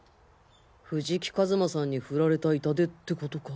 藤木一馬さんに振られた痛手ってことか。